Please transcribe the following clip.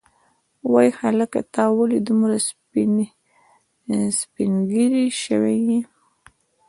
وای هلکه ته ولې دومره سپینږیری شوی یې.